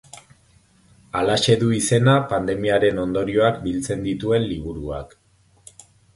Halaxe du izena pandemiaren ondorioak biltzen dituen liburuak.